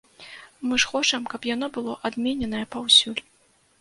Мы ж хочам, каб яно было адмененае паўсюль.